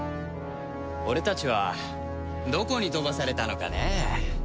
俺たちはどこに飛ばされたのかね？